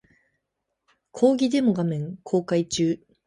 講義デモ画面公開中